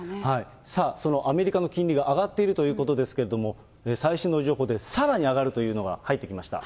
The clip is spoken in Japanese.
さあ、そのアメリカの金利が上がっているということですけれども、最新の情報で、さらに上がるというのが入ってきました。